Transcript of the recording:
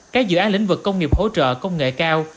các dự án lĩnh vực công nghiệp hỗ trợ công nghệ cao